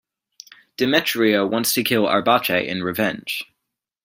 Demetrio wants to kill Arbace in revenge.